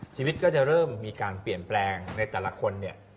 ชีวิตก็จะเริ่มมีการเปลี่ยนแปลงในแต่ละคนเนี่ย